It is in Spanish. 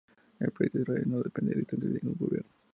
El Proyecto Israel no depende directamente de ningún gobierno.